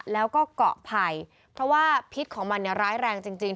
แล้วก็เกาะไผ่เพราะว่าพิษของมันเนี่ยร้ายแรงจริง